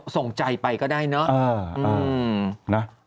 ส่งใจไปก็ได้เนอะ